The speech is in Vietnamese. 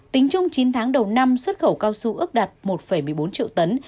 tính chung chín tháng đầu năm xuất khẩu cao su ước đạt một một mươi bốn triệu tấn